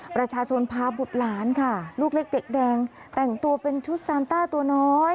ประชาชนพาบุตรหลานค่ะลูกเล็กเด็กแดงแต่งตัวเป็นชุดซานต้าตัวน้อย